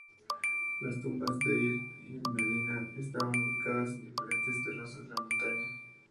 Las tumbas de Deir el-Medina estaban ubicadas en diferentes terrazas de la montaña.